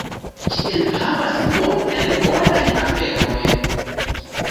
Ĝi enhavas multajn bonajn aferojn.